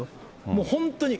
もう本当に。